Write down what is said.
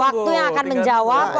waktu yang akan menjawab